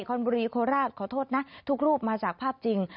คอนบุรีโคราชขอโทษนะทุกรูปมาจากภาพจริง